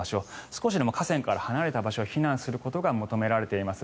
少しでも河川から離れた場所に避難することが求められています。